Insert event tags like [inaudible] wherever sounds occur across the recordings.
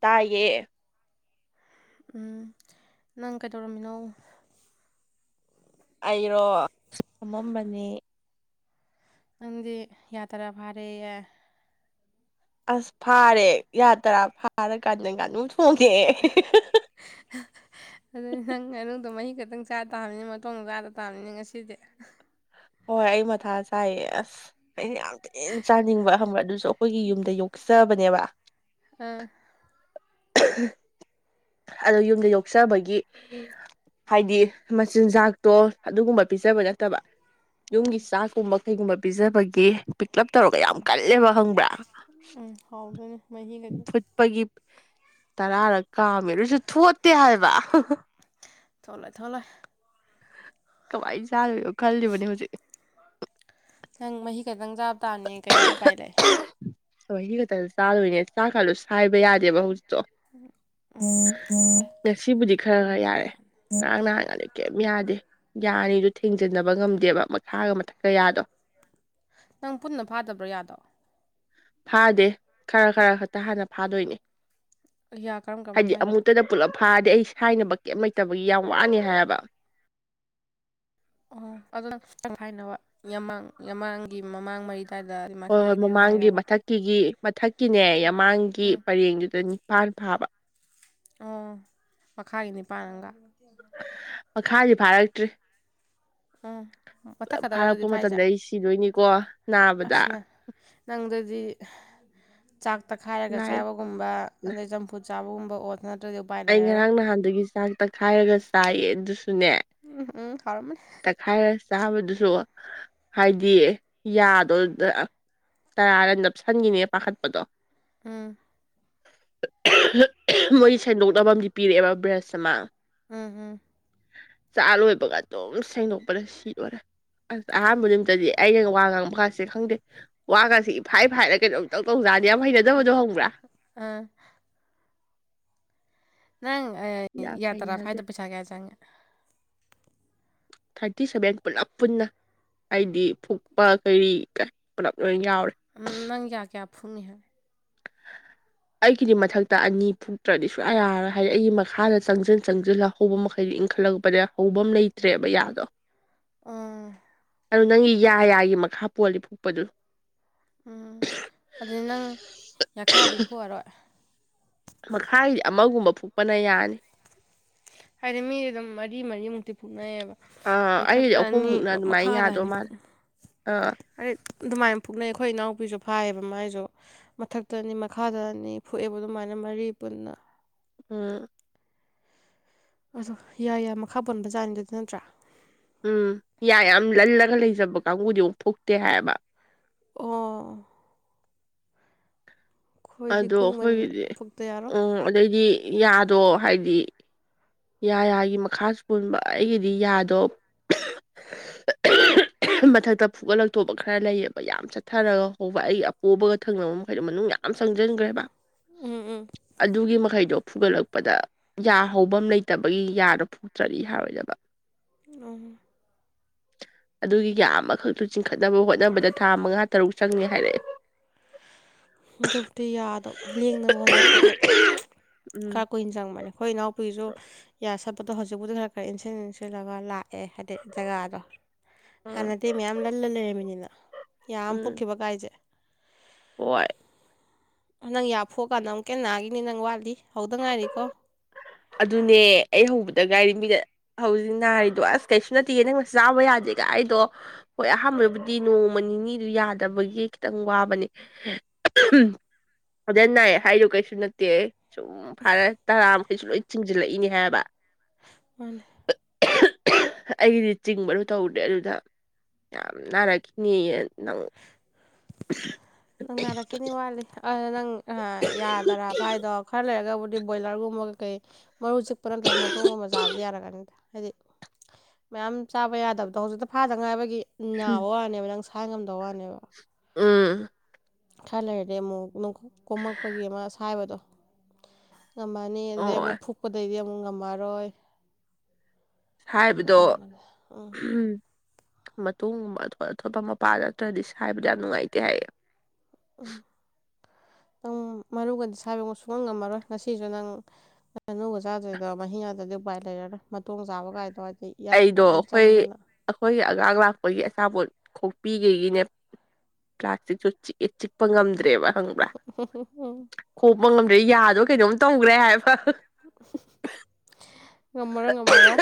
ꯇꯥꯏꯌꯦ ꯎꯝ ꯅꯪ ꯀꯩꯗꯧꯔꯝꯃꯤꯅꯣ ꯑꯩꯔꯣ ꯇꯨꯝꯃꯥꯝꯕꯅꯦ ꯅꯪꯗꯤ ꯌꯥ ꯇ꯭ꯔꯥ ꯐꯥꯔꯦꯌꯦ ꯑꯁ ꯐꯥꯔꯦ ꯌꯥ ꯇꯔꯥ ꯐꯥꯔꯀꯥꯟꯗ ꯉꯥꯅꯨ ꯊꯣꯡꯉꯦꯑꯦ [unintelligible] ꯑꯗꯨ ꯅꯪ ꯃꯅꯨꯡꯗꯣ ꯃꯍꯤ ꯈꯛꯇꯪ ꯆꯥ ꯇꯥꯕꯅꯤ ꯃꯇꯣꯡꯗ ꯆꯥꯗ ꯇꯥꯕꯅꯤꯅꯦ ꯉꯁꯤꯗꯤ ꯍꯣꯏ ꯑꯩ ꯃꯊꯥ ꯁꯥꯏꯌꯦ ꯑꯁ ꯑꯩꯅ ꯌꯥꯝ ꯊꯤꯅ ꯆꯥꯅꯤꯡꯕ ꯈꯪꯕ꯭ꯔ ꯑꯗꯨꯁꯨ ꯑꯩꯈꯣꯏꯒꯤ ꯌꯨꯝꯗ ꯌꯣꯛꯆꯕꯅꯦꯕ ꯑꯥ ꯑꯍ ꯑꯗꯣ ꯌꯨꯝꯗ ꯌꯣꯛꯆꯕꯒꯤ ꯍꯥꯏꯗꯤ ꯃꯆꯤꯟꯖꯥꯛꯇꯣ ꯑꯗꯨꯒꯨꯝꯕ ꯄꯤꯖꯕ ꯅꯠꯇꯕ ꯌꯨꯝꯒꯤ ꯎꯝ ꯆꯥꯛꯀꯨꯝꯕ ꯀꯩꯒꯨꯝꯕ ꯄꯤꯖꯕꯒꯤ ꯄꯤꯛ ꯂꯞ ꯇꯧꯔꯒ ꯌꯥꯝ ꯍꯣꯏ ꯀꯜꯂꯦꯕ ꯈꯪꯕ꯭ꯔꯥ ꯎꯝ ꯍꯥꯎꯗꯣꯏꯅꯤ ꯃꯍꯤꯒꯗꯤ ꯐꯨꯠ ꯄꯒꯤ ꯇꯔꯥꯔꯛ ꯀꯥꯝꯃꯦ ꯑꯗꯨꯣꯏꯁꯨ ꯊꯣꯠꯇꯦ ꯍꯥꯏꯕ ꯊꯣꯠꯂꯣꯏ ꯊꯣꯠꯂꯣꯏ ꯀꯃꯥꯏꯅ ꯆꯥꯗꯣꯏꯅꯣ ꯈꯜꯂꯤꯕꯅꯦ ꯍꯧꯖꯤꯛ ꯅꯪ ꯃꯍꯤ ꯈꯛꯇꯪ ꯆꯥꯕ ꯇꯥꯕꯅꯤ ꯀꯩꯗꯤ ꯎꯄꯥꯏ ꯂꯩ ꯊꯋꯣꯏꯟꯀꯤ ꯅꯨꯗꯜꯁ ꯆꯥꯗꯣꯏꯅꯦ ꯆꯥꯛ ꯀꯥꯗꯨ ꯁꯥꯏꯕ ꯌꯥꯗꯦꯕ ꯍꯧꯖꯤꯛꯇꯣ [unintelligible] ꯉꯁꯤꯕꯨꯗꯤ ꯈꯔ ꯈꯔ ꯌꯥꯔꯦ ꯉꯔꯥꯡ ꯅꯍꯥꯡꯒꯗꯤ ꯀꯩꯝ ꯌꯥꯗꯦ ꯌꯥ ꯑꯅꯤꯗꯣ ꯊꯦꯡꯖꯟꯅꯕ ꯉꯝꯗꯦꯕ ꯃꯈꯥꯒ ꯃꯊꯛꯀꯌꯥꯗꯣ ꯅꯪ ꯄꯨꯟꯅ ꯐꯥꯗꯕ꯭ꯔꯣ ꯌꯥꯗꯣ ꯐꯥꯗꯦ ꯈꯔ ꯈꯔ ꯈꯛꯇ ꯍꯥꯟꯅ ꯐꯥꯗꯣꯏꯅꯦ ꯌꯥ ꯀꯔꯝ ꯀꯔꯝꯕ ꯍꯥꯏꯗꯤ ꯐꯥꯏꯅꯣ ꯑꯃꯨꯛꯇꯗ ꯄꯨꯂꯞ ꯐꯥꯔꯗꯤ ꯑꯩ ꯁꯥꯏꯅꯕ ꯀꯩꯝ ꯂꯩꯇꯕꯒꯤ ꯌꯥꯝ ꯋꯥꯅꯤ ꯍꯥꯏꯌꯦꯕ ꯑꯣ ꯑꯗꯣ [unintelligible] ꯌꯥꯝꯃꯥꯡꯒꯤ ꯃꯃꯥꯡ ꯃꯩ ꯀꯗ ꯃꯈꯥꯒꯤꯗ ꯍꯥꯏꯔꯕ ꯀꯤꯒꯤ ꯃꯊꯛꯀꯤꯅꯦ ꯌꯥꯃꯥꯡꯒꯤ ꯎꯝ ꯄꯔꯦꯡꯗꯨꯗ ꯅꯤꯄꯥꯜ ꯐꯥꯕ ꯑꯣ ꯃꯈꯥꯒꯤ ꯅꯤꯄꯥꯟ ꯑꯃꯒ ꯃꯈꯥꯗꯤ ꯐꯥꯔꯛꯇ꯭ꯔꯤ ꯎꯝ ꯃꯊꯛ ꯄꯨꯂꯞ ꯈꯛꯇꯔ ꯑꯗꯨꯗꯤ ꯐꯥꯔꯛꯄ ꯐꯥꯏꯁꯦ ꯃꯇꯝꯗ ꯑꯩ ꯁꯤꯗꯣꯏꯅꯤꯀꯣ ꯅꯥꯕꯗ ꯑꯁꯅ ꯅꯪꯗꯗꯤ ꯆꯥꯛ ꯇꯛꯈꯥꯏꯔꯒ ꯅꯥꯏ ꯆꯥꯕꯒꯨꯝꯕ ꯑꯗꯩ ꯆꯝꯐꯨꯠ ꯆꯥꯕꯒꯨꯝꯕ ꯑꯣꯠ ꯅꯇꯔꯗꯤ ꯎꯄꯥꯏ ꯑꯩ ꯂꯩꯔꯔꯣꯏ ꯉꯔꯥꯡ ꯅꯍꯥꯟꯗꯒꯤ ꯆꯥꯛ ꯇꯛꯈꯥꯏꯔꯒ ꯆꯥꯏꯌꯦ ꯑꯗꯨꯁꯨꯅꯦ ꯎꯝ ꯎꯝ ꯍꯥꯎꯔꯝꯃꯅꯤ ꯈꯥꯏꯔ ꯆꯥꯕꯗꯨꯁꯨ ꯍꯥꯏꯗꯤ ꯌꯥꯗꯣꯗ ꯇꯔꯥꯔ ꯅꯞꯁꯟꯈꯤꯅꯦ ꯄꯥꯈꯠꯄꯗꯣ ꯎꯝ ꯃꯣꯏ ꯁꯦꯡꯗꯣꯛꯅꯕ ꯑꯃꯗꯤ ꯄꯤꯔꯛꯑꯦꯕ ꯕ꯭ꯔꯁ ꯑꯃ ꯎꯝ ꯎꯝ ꯆꯥ ꯂꯣꯏꯕꯒ ꯑꯗꯨꯝ ꯁꯦꯡꯗꯣꯛꯄꯗ ꯁꯤꯗꯣꯔꯦ ꯑꯁ ꯑꯍꯥꯟꯕ ꯅꯨꯃꯤꯠꯇꯗꯤ ꯑꯩꯅ ꯋꯥ ꯉꯥꯡꯕꯥꯥꯀꯥꯁꯦ ꯈꯪꯗꯦ ꯋꯥꯒꯁꯤ ꯐꯥꯏ ꯐꯥꯏꯔ ꯀꯩꯅꯣꯝ ꯏꯇꯧ ꯇꯧꯖꯥꯅꯤ ꯌꯥꯝ ꯍꯩꯅꯗꯕꯗꯣ ꯈꯪꯕ꯭ꯔꯥ ꯑꯥ ꯅꯪ ꯌꯥꯝ ꯌꯥ ꯇꯔꯥ ꯍꯩꯅꯗꯦ ꯐꯏꯗꯣ ꯄꯩꯁꯥ ꯀꯌꯥ ꯆꯪꯉꯦ ꯊꯥꯔꯇꯤ ꯁꯚꯦꯟ ꯄꯨꯂꯞ ꯄꯨꯟꯅ ꯍꯥꯏꯗꯤ ꯐꯨꯛꯄ ꯀꯔꯤ ꯀ ꯄꯨꯂꯞ ꯂꯣꯏꯅ ꯌꯥꯎꯔꯦ ꯎꯝ ꯅꯪ ꯌꯥ ꯀꯌꯥ ꯐꯨꯛꯅꯤ ꯍꯥꯏ [inaudible] ꯑꯩꯒꯤꯗꯤ ꯃꯊꯛꯇ ꯑꯅꯤ ꯐꯨꯛꯇ꯭ꯔꯗꯤ ꯁꯨꯡꯌꯥꯔꯣꯏ ꯍꯥꯏꯗꯤ ꯑꯩꯒꯤ ꯃꯈꯥꯗ ꯆꯪꯁꯤꯟ ꯆꯪꯁꯤꯜꯍꯣꯑꯣ ꯍꯧꯕ ꯃꯈꯩꯗꯨ ꯏꯟꯈꯠꯂꯛꯄꯗ ꯍꯧꯕꯝ ꯂꯩꯇ꯭ꯔꯦꯕ ꯌꯥꯗꯣ ꯑꯝ ꯑꯗꯨ ꯅꯪꯒꯤ ꯌꯥ ꯌꯥꯒꯤ ꯃꯈꯥ ꯄꯣꯜꯂꯤ ꯐꯨꯛꯄꯗꯨ ꯎꯝ ꯑꯗꯨꯗꯤ ꯅꯪ ꯌꯥꯈꯥꯗꯤ ꯐꯑꯔꯣꯏ ꯃꯈꯥꯒꯤꯗꯤ ꯑꯃꯒꯨꯝꯕ ꯐꯨꯛꯄꯅ ꯌꯥꯅꯤ ꯍꯥꯏꯗꯤ ꯃꯤꯁꯦ ꯑꯗꯨꯝ ꯃꯔꯤ ꯃꯔꯤꯃꯨꯛꯇꯤ ꯐꯨꯅꯩꯌꯦꯕ ꯑꯥ ꯑꯩꯒꯤꯗꯤ ꯃꯊꯛꯇ ꯑꯅꯤ ꯑꯍꯨꯝꯃꯨꯛꯅ ꯑꯗꯨꯃꯥꯏꯅ ꯃꯈꯥꯗ ꯌꯥꯗꯧ ꯑꯅꯤ ꯃꯥꯜꯂꯦ ꯑꯥ ꯑꯩ ꯑꯗꯨꯃꯥꯏ ꯐꯨꯛꯅꯩ ꯑꯩꯈꯣꯏ ꯏꯅꯥꯎꯄꯤꯁꯨ ꯐꯥꯏꯌꯦꯕ ꯃꯥꯏꯁꯨ ꯃꯊꯛꯇ ꯑꯅꯤ ꯃꯈꯥꯗ ꯑꯅꯤ ꯐꯨꯛꯑꯦꯕ ꯑꯗꯨꯃꯥꯏꯅ ꯃꯔꯤ ꯄꯨꯟꯅ ꯎꯝ ꯑꯗꯣ ꯌꯥ ꯌꯥ ꯃꯈꯥ ꯄꯣꯟ ꯖꯥꯥꯟꯗꯨꯗꯤ ꯅꯠꯇ꯭ꯔꯥ ꯎꯝ ꯌꯥ ꯌꯥꯝ ꯂꯜꯂꯒ ꯂꯩꯖꯕ ꯀꯥꯡꯕꯨꯗꯤ ꯃꯨꯛ ꯐꯨꯛꯇꯦ ꯍꯥꯏꯕ ꯑꯣ ꯑꯩꯈꯣꯏꯗꯤ ꯑꯗꯣ ꯀꯨꯡꯕꯅꯤꯅ ꯑꯩꯈꯣꯏꯒꯤꯗꯤ ꯐꯨꯛꯇ ꯌꯥꯔꯣꯏ ꯎꯝ ꯑꯗꯩꯗꯤ ꯌꯥꯗꯣ ꯍꯥꯏꯗꯤ ꯌꯥ ꯌꯥꯒꯤ ꯃꯈꯥꯁꯨ ꯄꯨꯟꯕ ꯑꯩꯒꯤꯗꯤ ꯌꯥꯗꯣ ꯃꯊꯛꯇ ꯐꯨꯒꯠꯂꯛꯇꯣꯕ ꯈꯔ ꯂꯩꯌꯦꯕ ꯌꯥꯝ ꯆꯠꯊꯔꯒ ꯍꯧꯕ ꯑꯩ ꯑꯄꯣꯕꯒ ꯊꯪꯅꯕ ꯃꯈꯩꯗꯣ ꯃꯅꯨꯡ ꯌꯥꯝ ꯌꯥꯝ ꯆꯪꯖꯟꯒꯔꯦꯕ ꯎꯝ ꯎꯝ ꯑꯗꯨꯒꯤ ꯃꯈꯩꯗꯣ ꯐꯨꯒꯠꯂꯛꯄꯗ ꯌꯥ ꯍꯧꯕꯝ ꯂꯩꯇꯕꯒꯤ ꯌꯥꯗꯣ ꯐꯨꯛꯇ꯭ꯔꯗꯤ ꯌꯥꯔꯣꯏꯗꯕ ꯑꯣ ꯑꯗꯨꯒꯤ ꯌꯥ ꯑꯃꯈꯛꯇꯨ ꯆꯤꯡꯈꯠꯅꯕ ꯍꯣꯠꯅꯕꯗ ꯊꯥ ꯃꯉꯥ ꯇꯔꯨꯛ ꯆꯪꯅꯤ ꯍꯥꯏꯔꯛꯑꯦ ꯑꯗꯨꯕꯨꯗꯤ ꯌꯥꯗꯣ ꯂꯦꯡꯅꯕ ꯍꯣꯠꯅꯔꯛꯄꯗ ꯎꯝ ꯈꯔ ꯀꯨꯏꯅ ꯆꯪꯕꯅꯦ ꯑꯩꯈꯣꯏ ꯏꯅꯥꯎꯄꯤꯁꯨ ꯌꯥ ꯁꯠꯄꯗꯣ ꯍꯧꯖꯤꯛꯄꯨꯗꯤ ꯈꯔ ꯈꯔ ꯏꯟꯁꯤꯟ ꯏꯟꯁꯤꯜꯂꯒ ꯂꯥꯛ ꯑꯦ ꯍꯥꯏꯗꯤ ꯖꯒꯥꯗꯣ ꯎꯝ ꯍꯥꯟꯅꯗꯤ ꯃꯌꯥꯝ ꯂꯜꯂ ꯂꯩꯔꯝꯃꯤꯅꯤꯅ ꯌꯥ ꯑꯝ ꯎꯝ ꯐꯨꯛꯈꯤꯕ ꯀꯥꯏꯁꯦ ꯍꯣꯏ ꯅꯪ ꯌꯥ ꯐꯨꯛꯑ ꯀꯥꯟꯗ ꯑꯃꯨꯛ ꯀ ꯍꯦꯟꯅ ꯅꯥꯒꯤꯅꯤ ꯅꯪ ꯋꯥꯠꯂꯤ ꯍꯧꯗ ꯉꯥꯏꯔꯤꯀꯣ ꯑꯗꯨꯅꯦ ꯑꯩ ꯍꯧꯕꯗ ꯉꯥꯏꯔꯤ ꯃꯤꯅ ꯍꯧꯖꯤꯛ ꯅꯥꯔꯤꯗꯣ ꯑꯁ ꯀꯩꯁꯨ ꯅꯠꯇꯦ ꯅꯪꯅ ꯆꯥꯕ ꯌꯥꯗꯦꯒ ꯍꯥꯏꯗꯣ ꯍꯣꯏ ꯑꯍꯥꯟꯕꯗꯕꯨꯗꯤ ꯅꯣꯡꯃ ꯅꯤꯅꯤ ꯌꯥꯗꯕꯒꯤ ꯈꯤꯇꯪ ꯋꯥꯕꯅꯦ ꯑꯧꯗ ꯅꯥꯏ ꯍꯥꯏꯗꯣ ꯀꯩꯁꯨ ꯅꯠꯇꯦ ꯁꯨꯝ ꯐꯔ ꯇꯔꯥ ꯃꯈꯩꯁꯨ ꯂꯣꯏ ꯆꯤꯡꯖꯤꯜꯂꯛꯏꯅꯤ ꯍꯥꯏꯕ ꯃꯅꯦ ꯑꯩꯒꯤꯗꯤ ꯆꯤꯡꯕꯗꯨ ꯇꯧꯗꯦ ꯑꯗꯨꯗ ꯌꯥꯝ ꯅꯥꯔꯛꯈꯤꯅꯦꯌꯦ ꯅꯪ [unintelligible] ꯅꯪ ꯅꯥꯔꯛꯈꯤꯅꯤ ꯋꯥꯠꯂꯤ ꯑ ꯅꯪ ꯑ ꯌꯥꯗꯔꯥ ꯐꯥꯏꯗꯣ ꯈꯔ ꯂꯩꯔꯒꯕꯨ ꯍꯥꯏꯗꯤ ꯕꯣꯏꯂꯔꯒꯨꯝꯕ ꯀꯩ ꯀꯩ ꯃꯔꯨ ꯆꯤꯛꯄ ꯅꯠꯇ꯭ꯔꯁꯨ ꯃꯇꯣꯡꯒꯨꯝꯕ ꯆꯥꯕꯗꯤ ꯌꯥꯔꯛꯒꯅꯤꯗ ꯍꯥꯏꯗꯤ ꯃꯌꯥꯝ ꯆꯥꯕ ꯌꯥꯗꯕꯗꯣ ꯍꯧꯖꯤꯛꯇ ꯐꯥꯗ ꯉꯥꯏꯕꯒꯤ ꯅꯥꯕ ꯋꯥꯅꯦꯕ ꯅꯪ ꯁꯥꯏ ꯉꯝꯗꯕ ꯋꯥꯅꯦꯕ ꯎꯝ ꯈꯔ ꯂꯩꯔꯗꯤ ꯑꯃꯨꯛ ꯀꯣꯝꯃꯛꯄꯒꯤ ꯑꯃ ꯁꯥꯏꯕꯗꯣ ꯉꯝꯃꯅꯤ ꯑꯗꯨꯗꯩ ꯍꯣꯏ ꯑꯃꯨꯛ ꯐꯨꯛꯄꯗꯩꯗꯤ ꯑꯃꯨꯛ ꯉꯝꯃꯔꯣꯏ ꯍꯥꯏꯕꯗꯣ ꯃꯇꯥꯡ ꯃꯥꯟꯅ ꯎꯝ ꯃꯇꯨꯡꯒꯨꯝꯕ ꯑꯇꯣꯠ ꯑꯇꯣꯠꯄ ꯃꯄꯥ ꯅꯠꯇ꯭ꯔꯗꯤ ꯁꯥꯏꯕꯗ ꯌꯥꯝ ꯅꯨꯡꯉꯥꯏꯇꯦ ꯍꯥꯏꯌꯦ ꯎꯝ ꯅꯪ ꯃꯔꯨꯒꯗꯤ ꯁꯥꯢꯕ ꯁꯨꯉꯝ ꯉꯝꯃꯔꯣꯏ ꯉꯁꯤꯁꯨ ꯅꯪ ꯉꯅꯨꯒ ꯆꯥꯗꯣꯏꯕ ꯃꯍꯤ ꯉꯥꯛꯇꯗ ꯎꯄꯥꯏ ꯂꯩꯔꯔꯣꯢ ꯃꯇꯣꯡ ꯆꯥꯕ ꯀꯥꯏꯗꯣ ꯍꯥꯏꯗꯤ ꯌꯥꯂꯛꯇ ꯑꯩꯗꯣ ꯂꯣꯢ ꯑꯩꯈꯣꯏ ꯆꯪꯗꯅ ꯑꯩꯈꯣꯏꯒꯤ ꯑꯉꯥꯡ ꯂꯥꯛꯄꯒꯤ ꯑꯆꯥꯄꯣꯠ ꯈꯣꯛꯄꯤꯈꯩꯒꯤꯅꯦ ꯄ꯭ꯂꯥꯁꯇꯤꯛꯁꯨ ꯆꯤꯡꯌꯦ ꯆꯤꯛꯄ ꯉꯝꯗ꯭ꯔꯦꯕ ꯈꯪꯕ꯭ꯔꯥ ꯈꯣꯛꯄ ꯉꯝꯗ꯭ꯔꯦ ꯌꯥꯗꯣ ꯀꯩꯅꯣꯝ ꯇꯧꯈ꯭ꯔꯦ ꯍꯥꯏꯕ ꯉꯝꯃꯔꯣꯏ ꯉꯝꯃꯔꯣꯏ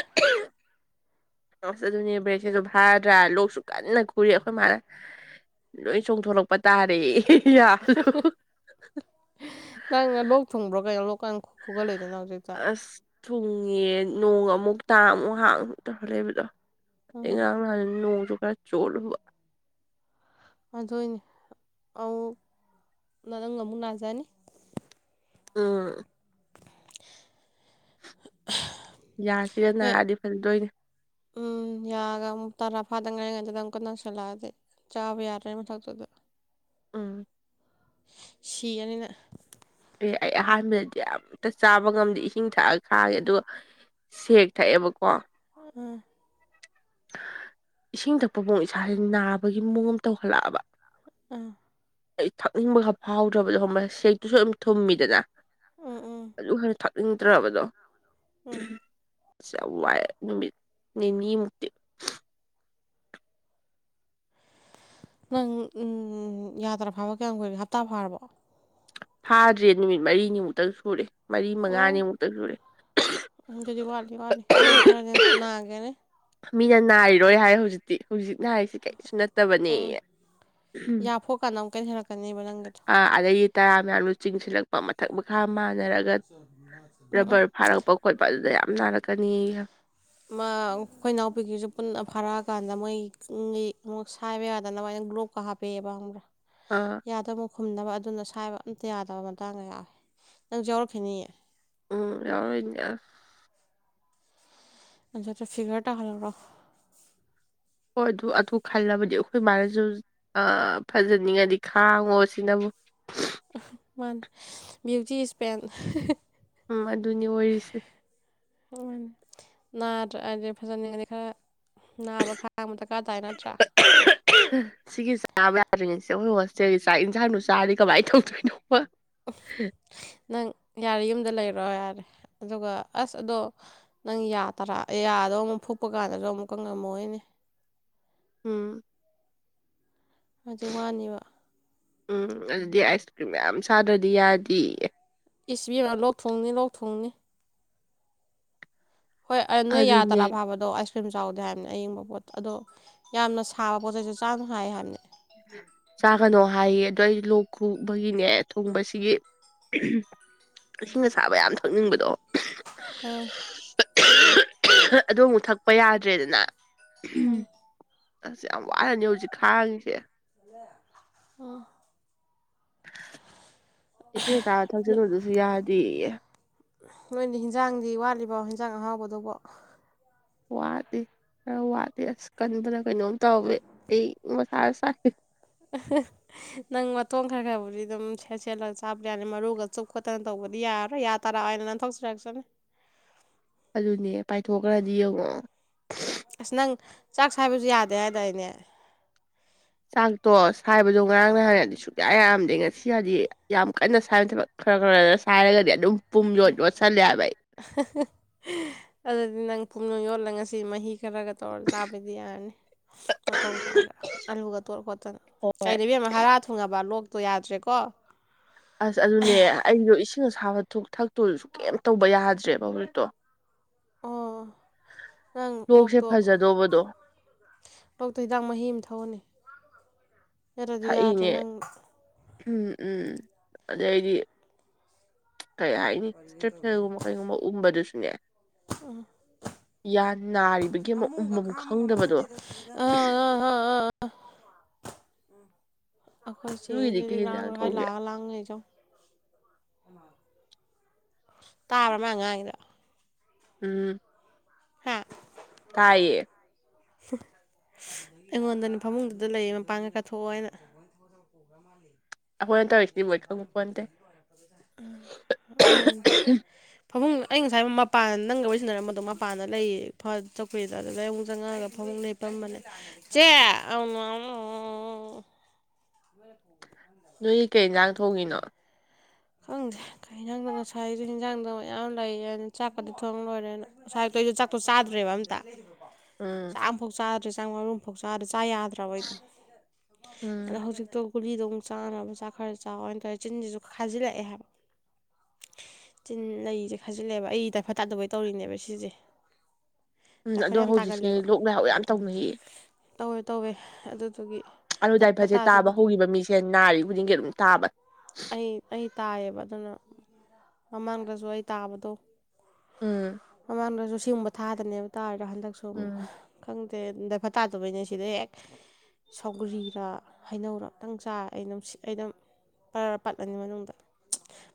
ꯇꯣꯁ ꯑꯗꯨꯅꯦ ꯕ꯭ꯔꯦꯁꯁꯤꯁꯨ ꯐꯥꯔꯗ꯭ꯔꯥ ꯂꯣꯛꯁꯨ ꯀꯟꯅ ꯈꯨꯔꯤ ꯑꯩꯈꯣꯏ ꯃꯥꯅ ꯂꯣꯏ ꯆꯣꯡꯊꯣꯔꯛꯄ ꯇꯥꯔꯦꯌꯦ ꯌꯥꯗꯣ ꯅꯪ ꯂꯣꯛ ꯊꯨꯡꯕ꯭ꯔꯣ ꯀꯩꯅꯣ ꯂꯣꯛ ꯀꯥꯟ ꯈꯨꯒꯠꯂꯛꯏꯗꯨꯅ ꯍꯧꯖꯤꯛ ꯑꯁ ꯊꯨꯡꯉꯤꯌꯦ ꯅꯣꯡ ꯑꯃꯨꯛ ꯇꯥ ꯑꯃꯨꯛ ꯍꯥꯡ ꯇꯧꯔ ꯂꯩꯕꯗꯣ ꯑꯩ ꯎꯝ ꯉꯥꯔꯥꯡ ꯅꯍꯥꯟ ꯅꯣꯡꯖꯨ ꯈꯔꯥ ꯆꯣꯠꯂꯨꯕ ꯑꯗꯨꯏꯅꯦ ꯑꯧ ꯅꯪ ꯑꯃꯨꯛ ꯅꯥꯖꯅꯤ ꯎꯝ ꯌꯥꯁꯤꯒ ꯅꯣꯏ ꯅꯥꯔꯗꯤ ꯐꯖꯗꯣꯏꯅꯦ ꯎꯝ ꯌꯥꯒ ꯑꯃꯨꯛ ꯇꯔꯥ ꯐꯥꯗ ꯉꯔꯤ ꯉꯩꯁꯤꯗ ꯑꯃꯨꯛꯀ ꯅꯁꯤꯜꯂꯛꯑꯗꯤ ꯆꯥꯕ ꯌꯥꯗ꯭ꯔꯤ ꯃꯊꯛꯁꯤꯗ ꯎꯝ ꯁꯤꯒꯅꯤ ꯅꯪ ꯑꯦ ꯑꯩ ꯑꯍꯥꯟꯕꯗꯗꯤ ꯑꯝꯇ ꯆꯥꯕ ꯉꯝꯗꯦ ꯏꯁꯤꯡ ꯊꯛꯑꯒ ꯈꯥꯡꯌꯦ ꯑꯗꯣ ꯁꯦꯛ ꯊꯛꯑꯦꯕꯀꯣ ꯍꯥ ꯏꯁꯤꯡ ꯊꯛꯄ ꯐꯥꯎ ꯏꯁꯥꯁꯦ ꯅꯥꯕꯒꯤ ꯃꯑꯣꯡ ꯑꯃ ꯇꯧꯈꯠꯂꯛꯑꯦꯕ ꯑꯥ ꯑꯩ ꯊꯛꯅꯤꯡꯕꯒ ꯐꯥꯎꯗ꯭ꯔꯕꯗꯣ ꯈꯪꯉꯕ ꯁꯦꯛꯇꯨꯁꯨ ꯑꯗꯨꯝ ꯊꯨꯝꯃꯤꯗꯅ ꯎꯝ ꯎꯝ ꯑꯗꯨ ꯍꯦꯟꯅ ꯊꯥꯛꯅꯤꯡꯗ꯭ꯔꯕꯗꯣ ꯎꯝ ꯑꯁ ꯌꯥꯝ ꯋꯥꯏ ꯅꯨꯃꯤꯠ ꯅꯤꯅꯤ ꯃꯨꯛ ꯅꯪ ꯎꯝ ꯌꯥ ꯇꯔꯥ ꯐꯥꯕ ꯀꯌꯥꯝ ꯀꯨꯏꯔꯒꯦ ꯍꯞꯇꯥ ꯐꯥꯔꯕꯣ ꯐꯥꯗ꯭ꯔꯦ ꯅꯨꯃꯤꯠ ꯃꯔꯤꯅꯤꯃꯨꯛꯇꯪ ꯁꯨꯔꯦ ꯃꯔꯤ ꯃꯉꯥꯅꯤꯃꯨꯛꯇ ꯁꯨꯔꯦ ꯎꯝ ꯑꯗꯨꯗꯤ ꯋꯥꯠꯂꯤ ꯋꯥꯠꯂꯤ ꯅꯪ ꯈꯔꯗꯤ ꯅꯥꯒꯦꯅꯦ ꯃꯤꯅ ꯅꯥꯏꯔꯣꯏ ꯍꯥꯏ ꯍꯧꯖꯤꯛꯇꯤ ꯍꯧꯖꯤꯛ ꯅꯥꯏꯔꯤꯁꯤ ꯀꯔꯤꯁꯨ ꯅꯠꯇꯕꯅꯦꯌꯦ ꯌꯥꯐꯣꯠ ꯀꯥꯟꯗ ꯑꯃꯨꯛ ꯀꯩ ꯍꯦꯜꯂꯛꯀꯅꯦꯕ ꯅꯪꯒꯤꯗꯣ ꯑꯗꯩ ꯇꯔꯥ ꯃꯌꯥꯝꯗꯣ ꯆꯤꯡꯁꯤꯜꯂꯛꯄ ꯃꯊꯛ ꯃꯈꯥ ꯃꯥꯡ ꯁꯤꯟꯅꯔꯒ ꯔꯕ꯭ꯔ ꯐꯥꯔꯛꯄ ꯈꯣꯠꯄ ꯑꯗꯨꯗ ꯌꯥꯝ ꯅꯥꯔꯛꯀꯅꯤꯌꯦ ꯑꯩꯈꯣꯏ ꯏꯅꯥꯎꯄꯤꯀꯤꯁꯨ ꯄꯨꯟꯅ ꯐꯥꯔꯛꯑꯀꯥꯟꯗ ꯃꯣꯏ ꯑꯃ ꯁꯥꯏꯕ ꯌꯥꯗꯅꯕ ꯃꯣꯢꯅ ꯒ꯭ꯂꯣꯛ ꯍꯥꯞꯄꯦꯕ ꯈꯪꯉꯕ ꯑꯥ ꯌꯥꯗꯣ ꯈꯨꯝꯅꯕ ꯑꯗꯨꯅ ꯁꯥꯏꯕ ꯑꯝꯇ ꯌꯥꯗꯕ ꯃꯇꯥꯡꯒ ꯌꯥꯎꯋꯦ ꯅꯪ ꯌꯥꯎꯔꯛꯈꯤꯅꯤꯌꯦ ꯎꯝ ꯌꯥꯎ ꯏꯌꯥ [inaudible] ꯑꯗꯨꯗ ꯐꯤꯒꯔ ꯇꯥꯍꯜꯀ꯭ꯔꯣ ꯍꯣꯏ ꯑꯗꯨ ꯑꯗꯨ ꯈꯜꯂꯕꯗꯤ ꯑꯩꯈꯣꯏ ꯃꯥꯅꯁꯨ ꯐꯖꯅꯤꯡꯉꯗꯤ ꯈꯥꯡꯉꯣ ꯁꯤꯅꯕꯨ ꯃꯥ ꯕꯤꯌꯨꯇꯤ ꯏꯁꯄꯦꯟ [inaudible] ꯎꯝ ꯑꯗꯨꯅꯤ ꯑꯣꯏꯔꯤꯁꯦ ꯅꯥꯗ꯭ꯔ ꯍꯥꯏꯗꯤ ꯐꯖꯅꯤꯡꯉꯗꯤ ꯈꯔ ꯅꯥꯕ ꯈꯥꯡ ꯗꯔꯀꯥ꯭ꯔ ꯇꯥꯏ ꯅꯠꯇ꯭ꯔꯥ ꯁꯤꯒꯤ ꯆꯥꯕ ꯌꯥꯗ꯭ꯔꯤꯉꯩꯁꯦ ꯑꯩꯈꯣꯏ ꯍꯣꯁꯇꯦꯜꯒꯤ ꯆꯥꯛ ꯌꯦꯟꯁꯥꯡꯗꯨ ꯆꯥꯔꯗꯤ ꯀꯃꯥꯏꯅ ꯇꯧꯗꯣꯏꯅꯣꯕ ꯅꯪ ꯌꯥꯔꯦ ꯌꯨꯝꯗ ꯂꯩꯔꯣ ꯌꯥꯔꯦ ꯑꯗꯨꯒ ꯑꯁ ꯑꯗꯣ ꯅꯪ ꯌꯥ ꯇꯔꯥ ꯌꯥꯗꯣ ꯑꯃꯨꯛ ꯐꯨꯛꯄ ꯀꯥꯟꯗꯁꯨ ꯑꯃꯨꯛꯀ ꯉꯝꯃꯣꯏꯅꯦ ꯎꯝ ꯃꯥꯁꯦ ꯋꯥꯅꯦꯕ ꯎꯝ ꯑꯗꯨꯗꯤ ꯑꯥꯏꯁ ꯀ꯭ꯔꯤꯝ ꯃꯌꯥꯝ ꯆꯥꯗ꯭ꯔꯗꯤ ꯌꯥꯗꯤꯌꯦ ꯏꯁ ꯏꯕ‍ꯦꯃꯥ ꯂ‍ꯣꯛ ꯊꯨꯡꯅꯤ ꯂ‌ꯣꯛ ꯊꯨꯡꯅꯤ ꯍꯣꯏ ꯅ ꯌꯥ ꯇꯔ ꯑꯗꯨꯅꯦ ꯑꯐꯕꯗ ꯑꯗꯣ ꯑꯥꯏꯁ ꯀ꯭ꯔꯤꯝ ꯆꯥꯎꯗꯦ ꯍꯥꯏꯕꯅꯤ ꯑꯌꯪꯕ ꯄꯣꯠ ꯑꯗꯣ ꯌꯥꯝꯅ ꯁꯥꯕ ꯄꯣꯠ ꯆꯩꯩꯁꯦ ꯆꯥꯅ‌ꯣ ꯍꯥꯏ ꯍꯥꯏꯕꯅꯤ ꯆꯥꯒꯅꯣ ꯍꯥꯏꯌꯦ ꯑꯗꯣ ꯑꯩ ꯂꯣꯛ ꯈꯨꯕꯒꯤꯅꯦ ꯊꯨꯡꯕꯁꯤꯒꯤ ꯏꯁꯤꯡ ꯑ ꯁꯥꯥꯕ ꯌꯥꯝ ꯊꯛꯅꯤꯡꯕꯗꯣ [unintelligible] ꯎꯝ ꯑꯗꯣ ꯑꯃꯨꯛ ꯊꯛꯄ ꯌꯥꯗ꯭ꯔꯦꯗꯅ ꯑꯝ ꯑꯁ ꯌꯥꯝ ꯋꯥꯔꯅꯤ ꯍꯧꯖꯤꯛ ꯈꯥꯡꯉꯤꯁꯦ ꯍꯦ [inaudible] ꯏꯁꯤꯡ ꯑꯆꯥꯥꯕ ꯊꯛꯖꯂꯨꯗꯨꯁꯨ ꯌꯥꯗꯤꯌꯦ ꯅꯣꯏꯗꯤ ꯍꯤꯟꯖꯥꯡꯗꯤ ꯋꯥꯠꯂꯤꯕ ꯍꯤꯟꯖꯥꯡ ꯑꯍꯥꯎꯕꯗꯨꯕꯨ ꯋꯥꯗꯦ ꯈꯔ ꯋꯥꯠꯂꯤ ꯑꯁ ꯀꯟꯕꯅ ꯀꯩꯅꯣꯝ ꯇꯧꯋꯦ ꯑꯩ ꯃꯊꯥ ꯁꯥꯏ ꯑ [inaudible] ꯅꯪ ꯃꯇꯣꯡ ꯈꯔ ꯈꯔꯕꯨꯗꯤ ꯑꯗꯨꯝ ꯁꯦꯠ ꯁꯦꯠꯂꯒ ꯆꯥꯕ ꯌꯥꯅꯤ ꯃꯔꯨꯒ ꯆꯨꯞ ꯈꯣꯠꯇꯅ ꯇꯧꯕꯗꯤ ꯌꯥꯔꯣꯏ ꯇꯔꯥ ꯑꯅ ꯅꯪ ꯊꯧꯖꯔꯛꯁꯅꯤ ꯑꯗꯨꯅꯦ ꯄꯥꯏꯊꯣꯛꯈ꯭ꯔꯗꯤ ꯌꯦꯡꯉꯛꯑꯣ ꯎꯝ ꯑꯁ ꯅꯪ ꯆꯥꯛ ꯆꯁꯏꯕꯁꯨ ꯌꯥꯗꯦ ꯍꯥꯏꯇꯥꯏꯅꯦ ꯆꯥꯛꯇꯣ ꯁꯥꯏꯕꯗꯣ ꯉꯔꯥꯡ ꯅꯍꯥꯟ ꯁꯨꯛꯌꯥ ꯌꯥꯝꯗꯦ ꯉꯁꯤ ꯍꯥꯏꯗꯤ ꯌꯥꯝ ꯀꯟꯅ ꯁꯥꯏꯕ ꯅꯠꯇꯕ ꯈꯔ ꯈꯔ ꯁꯥꯏꯔꯒꯗꯤ ꯑꯗꯨꯝ ꯄꯨꯝ ꯌꯣꯠ ꯌꯣꯠꯁꯜꯂꯦ ꯍꯥꯏꯕ ꯑꯩ [unintelligible] ꯑꯗꯨꯗꯤ ꯅꯪ ꯄꯨꯝꯅꯨꯡ ꯌꯣꯜꯂꯒ ꯉꯁꯤ ꯃꯍꯤ ꯈꯔꯒ ꯇꯧꯔ ꯆꯥꯕꯗꯤ ꯌꯥꯅꯤ ꯃꯇꯣꯡ ꯈꯥꯏꯔꯒ ꯑꯂꯨꯒ ꯇꯣꯠ ꯈꯣꯠꯇꯅ ꯍꯣꯏ ꯀꯩꯅ‌ꯣ ꯏꯕ‍ꯦꯃ ꯍꯥꯔ ꯊꯨꯡꯉꯕ ꯂꯣꯛ ꯇꯣ ꯌꯥꯗ꯭ꯔꯦꯀꯣ ꯑꯁ ꯑꯗꯨꯅꯦ ꯑꯩꯗꯣ ꯏꯁꯤꯡ ꯑꯁꯥꯕ ꯊꯛꯇꯣꯁꯨ ꯀꯩꯝ ꯇꯧꯕ ꯌꯥꯗ꯭ꯔꯦꯕ ꯍꯧꯖꯤꯛꯇꯣ ꯑꯣ ꯅꯪ ꯂꯣꯛꯁꯦ ꯂꯣꯛꯇꯣ ꯐꯖꯗꯧꯕꯗꯣ ꯂꯣꯛꯇ‍ꯣ ꯍꯤꯗꯥꯛ ꯃꯍꯤ ꯑꯃ ꯊꯛꯎꯅꯤ ꯅꯠꯇꯗꯤ ꯌꯥꯗ꯭ꯔꯦ ꯊꯛꯏꯅꯦ ꯅꯪ ꯎꯝ ꯎꯝ ꯑꯗꯩꯗꯤ ꯀꯩ ꯍꯥꯏꯅꯤ ꯏꯁꯇꯔꯤꯞꯁꯔꯒꯨꯝꯕ ꯀꯩꯒꯨꯝꯕ ꯎꯕꯗꯨꯁꯨꯅꯦ ꯎꯝ ꯅꯥꯔꯤꯕꯒꯤ ꯑꯃ ꯐꯃꯨꯝꯒ ꯎꯝꯐꯝ ꯈꯥꯃꯕ ꯉꯝꯕ ꯈꯪꯗꯕꯗꯣ ꯅꯠꯇꯦ [unintelligible] [unintelligible] ꯅꯣꯏꯒꯤꯗꯤ ꯀꯩ ꯑꯩꯈꯣꯏꯆꯦꯁꯤꯗꯤ ꯌꯦꯟꯖꯥꯡ ꯂꯥꯡꯔꯣꯏ ꯍꯥꯏ ꯁꯨꯋꯥꯏ ꯊꯣꯡꯒꯦ ꯂꯥꯛꯑꯒ ꯂꯥꯡ ꯂꯩꯔꯤꯁꯤ ꯌꯦꯡꯉꯣ ꯇꯥꯕ꯭ꯔꯥ ꯃꯥ ꯉꯥꯡꯉꯤꯗꯣ ꯎꯝ ꯍꯥ ꯍꯥꯏꯌꯦ [unintelligible] ꯑꯩꯉꯣꯟꯗꯅꯦ ꯐꯃꯨꯡꯗꯨꯗ ꯂꯩꯌꯦ ꯃꯄꯥꯟꯒ ꯀꯠꯊꯣꯛꯑꯣ ꯍꯥꯏꯅ ꯑꯩꯈꯣꯏꯅ ꯇꯧꯔꯤꯁꯤꯗꯤ ꯂꯣꯏ ꯈꯪꯕ ꯄꯣꯟꯇꯦ ꯎ ꯑꯣꯏ [inaudible] ꯐꯃꯨꯡ ꯑꯩ ꯉꯁꯥꯏ ꯃꯄꯥꯟ ꯅꯪꯒ ꯂꯣꯏꯁꯤꯟꯅꯔꯝꯕꯗꯣ ꯃꯄꯥꯟꯗ ꯂꯩꯌꯦ [unintelligible] ꯆꯠꯀꯨꯔꯤꯗ ꯑꯗꯩ ꯑꯃꯨꯛ ꯆꯪꯉꯛꯑꯒ ꯐꯃꯨꯡ ꯂꯩ ꯊꯝꯕꯅꯦ ꯆꯦ ꯑꯅ ꯑ [inaudible] ꯃꯔꯒꯦ [unintelligible] ꯅꯣꯏꯒꯤ ꯀꯩ ꯏꯟꯖꯥꯡ ꯊꯣꯡꯉꯤꯅꯣ ꯈꯪꯗꯦꯖꯥꯡꯗꯣ [unintelligible] ꯉꯁꯥꯏꯁꯨ ꯍꯤꯟꯖꯥꯡꯗꯣ ꯃꯌꯥꯝ ꯂꯩꯌꯦ ꯑꯅ ꯆꯥꯛꯀꯗꯤ ꯊꯣꯡ ꯂꯣꯏꯔꯦꯅ ꯉꯁꯥꯏ ꯑꯌꯨꯛꯇꯨ ꯆꯥꯛꯇꯣ ꯆꯥꯗ꯭ꯔꯦꯕ ꯑꯝꯇ ꯎꯝ ꯆꯥꯛꯐꯥꯎ ꯆꯥꯗ꯭ꯔꯦ ꯆꯥꯛ ꯃꯔꯨꯝꯐꯥꯎ ꯆꯥꯗ꯭ꯔꯦ ꯆꯥ ꯌꯥꯗ꯭ꯔꯦ ꯇꯧꯋꯦ ꯑꯗꯣ ꯎꯝ ꯍꯧꯖꯤꯛꯇꯣ ꯒꯨꯂꯤꯗꯣ ꯑꯃꯨꯛ ꯆꯥꯅꯕ ꯃꯆꯥ ꯈꯔ ꯆꯥꯎꯋꯦ ꯍꯥꯏꯇꯥꯔꯦ ꯆꯤꯟꯁꯤꯁꯨ ꯐꯖꯤꯛ ꯂꯛꯑ ꯍꯥꯏꯕ ꯆꯤꯟ ꯂꯩꯁꯦ ꯈꯥꯖꯤꯜꯂꯦꯕ ꯑꯩ ꯇꯥꯏꯐꯠ ꯇꯥꯗꯧꯕꯩ ꯇꯧꯔꯤꯅꯦꯕ ꯁꯤꯁꯦ ꯎꯝ ꯑꯗꯣ ꯗꯥꯏꯐꯔ ꯌꯥꯝ ꯍꯧꯖꯤꯛꯁꯦ ꯇꯥꯒꯜꯂꯦꯕ ꯂꯣꯛ ꯂꯥꯏꯍꯥꯎ ꯌꯥꯝ ꯇꯧꯅꯩꯌꯦ ꯇꯧꯋꯦ ꯇꯧꯋꯦ ꯑꯗꯨꯗꯨꯒꯤ ꯑꯗꯨ ꯗꯥꯏꯐꯔ ꯗꯥꯏꯐꯠꯁꯦ ꯇꯥꯕ ꯇꯥꯗꯕꯒꯤ ꯍꯧꯈꯤꯕ ꯃꯤꯁꯦ ꯅꯥꯔꯤ ꯈꯨꯗꯤꯡꯒꯤ ꯑꯗꯨꯝ ꯇꯥꯕ ꯑꯩ ꯑꯩ ꯇꯥꯏꯌꯦꯕ ꯑꯗꯨꯅ ꯃꯃꯥꯡꯗꯁꯨ ꯑꯩ ꯇꯥꯕꯗꯣ ꯎꯝ ꯃꯃꯥꯡꯗꯁꯨ ꯁꯤꯒꯨꯝꯕ ꯊꯥꯗꯅꯦꯕ ꯇꯥꯔꯤꯗꯣ ꯍꯟꯗꯛꯁꯨ ꯑꯃꯨꯛ ꯎꯝ ꯈꯪꯗꯦ ꯗꯥꯏꯐꯠ ꯇꯥꯗꯕꯩꯅꯦ ꯁꯤꯗ ꯍꯦꯛ ꯁꯧꯒ꯭ꯔꯤꯔ ꯍꯩꯅꯧꯔ ꯑꯝꯇꯪ ꯆꯥꯏ ꯑꯩ ꯑꯗꯨꯝ ꯁꯤ ꯑꯩ ꯑꯗꯨꯝ ꯕꯔ ꯕꯔ ꯄꯠꯂꯅꯤ ꯃꯅꯨꯡꯗ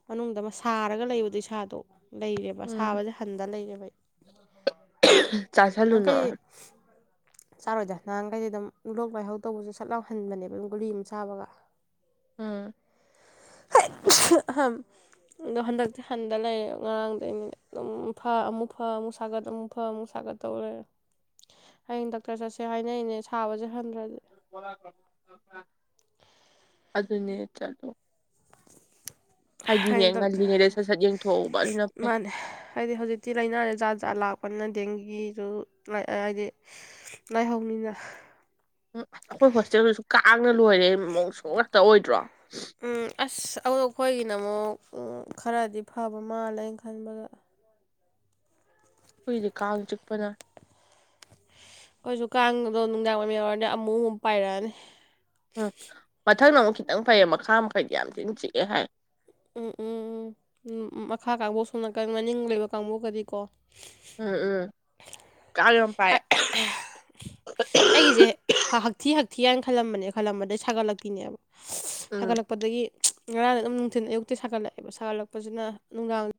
ꯃꯅꯨꯡꯗ ꯑꯃ ꯁꯥꯔꯒ ꯂꯩꯕꯗꯨ ꯏꯁꯥꯗꯣ ꯂꯩꯔꯦꯕ ꯎꯝ ꯁꯥꯕꯁꯤ ꯍꯟꯗ ꯂꯩꯔꯦꯕ ꯑꯩ [unintelligible] ꯑꯪ ꯀꯩ ꯆꯥꯔꯣꯏꯗ ꯅꯍꯥꯟꯈꯩꯗꯤ ꯑꯗꯨꯝ ꯂꯣꯛ ꯂꯥꯏꯍꯧ ꯇꯧꯕꯁꯨ ꯁꯠ ꯂꯥꯎꯍꯟꯕꯅꯦꯕ ꯑꯗꯨꯝ ꯒꯨꯂꯤ ꯑꯃ ꯆꯥꯕꯒ ꯑꯝ [unintelligible] ꯑꯍꯝ ꯑꯗꯣ ꯍꯟꯗꯛꯇꯤ ꯍꯟꯗ ꯂꯩꯔꯦ ꯉꯔꯥꯡꯗꯩꯅꯤꯅ ꯑꯗꯨꯝ ꯐ ꯑꯃꯨꯛ ꯐ ꯑꯃꯨꯛ ꯁꯥꯒꯠ ꯑꯃꯨꯛ ꯐ ꯑꯃꯨꯛ ꯁꯥꯒꯠ ꯇꯧꯔꯦ ꯍꯌꯦꯡ ꯗꯥꯛꯇꯔ ꯆꯠꯁꯦ ꯍꯥꯏꯅꯩꯅꯦ ꯁꯥꯕꯁꯦ ꯍꯟꯗꯔꯗꯤ [unintelligible] ꯑꯗꯨꯅꯦ ꯆꯠꯂꯣ ꯍꯥꯏꯗꯤꯅꯦ ꯍꯥꯏꯗꯤ ꯉꯜꯂꯤꯉꯩꯗ ꯁꯠ ꯁꯠ ꯌꯦꯡꯊꯣꯛꯍꯧꯕ ꯑꯗꯨꯅ ꯗꯣꯛꯇꯔ ꯐꯩ ꯃꯥꯅꯦ ꯍꯥꯏꯗꯤ ꯍꯧꯖꯤꯛꯇꯤ ꯂꯩꯅꯁꯦ ꯖꯥꯠ ꯖꯥꯠ ꯂꯥꯛꯄꯅꯤꯅ ꯗꯦꯡꯒꯤꯁꯨ ꯍꯥꯏꯗꯤ ꯂꯥꯏꯍꯧꯅꯤꯅ ꯎꯝ ꯑꯩꯈꯣꯏ ꯍꯣꯁꯇꯦꯜꯗꯨꯁꯨ ꯀꯥꯡꯅ ꯂꯣꯏꯔꯦ ꯃꯡꯁꯣꯡ ꯉꯥꯛꯇ ꯑꯣꯏꯗ꯭ꯔꯣ ꯎꯝ ꯑꯁ ꯑꯗꯣ ꯑꯩꯈꯣꯏꯒꯤꯅ ꯑꯃꯨꯛ ꯈꯔꯗꯤ ꯐꯕ ꯃꯥꯜꯂꯦ ꯑꯩꯅ ꯈꯟꯕꯗ ꯑꯩꯈꯣꯏꯗꯤ ꯀꯥꯡ ꯆꯤꯛꯄꯅ ꯑꯩꯈꯣꯏꯁꯨ ꯀꯥꯡꯗꯣ ꯅꯨꯡꯗꯥꯡ ꯋꯥꯏꯔꯝ ꯌꯧꯔꯗꯤ ꯑꯃꯨ ꯑꯃꯨꯕ ꯄꯥꯏꯔꯛꯑꯅꯤ ꯎꯝ ꯃꯊꯛꯅ ꯑꯃꯨꯛ ꯈꯤꯇꯪ ꯐꯩꯌꯦ ꯃꯈꯥ ꯃꯈꯩꯗꯤ ꯌꯥꯝ ꯊꯤꯅ ꯆꯤꯛꯑꯦ ꯍꯥꯏ ꯎꯝ ꯎꯝ ꯎꯝ ꯃꯈꯥ ꯀꯥꯡꯕꯨ ꯁꯣꯝ ꯅꯥꯀꯟ ꯃꯅꯤꯡ ꯂꯩꯕ ꯀꯥꯡꯕꯨ ꯒꯗꯤꯀꯣ ꯎꯝ ꯎꯝ ꯀꯥꯡ ꯌꯥꯝ ꯄꯥꯏ ꯑꯩꯒꯤꯁꯦ ꯍꯛꯊꯤ ꯍꯛꯊꯤ ꯍꯥꯏꯅ ꯈꯜꯂꯝꯕꯅꯦ ꯈꯜꯂꯝꯕꯗꯩ ꯁꯥꯒꯠꯂꯛꯄꯤꯅꯦꯕ ꯎꯝ ꯁꯥꯒꯠ ꯂꯛꯄꯗꯒꯤ ꯉꯔꯥꯡꯁꯦ ꯑꯗꯨꯝ ꯅꯨꯡꯊꯤꯟ ꯑꯌꯨꯛꯇꯩ ꯁꯥꯒꯠꯂꯛꯑꯦꯕ ꯁꯥꯒꯠꯂꯛꯄꯁꯤꯅ ꯅꯨꯡꯗꯥꯡ